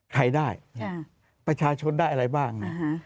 ใครได้ประชาชนได้อะไรบ้าง